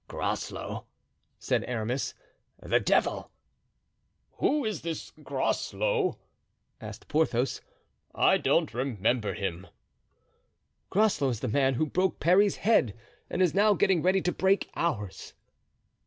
"Groslow!" said Aramis; "the devil! "Who is this Groslow?" asked Porthos. "I don't remember him." "Groslow is the man who broke Parry's head and is now getting ready to break ours." "Oh!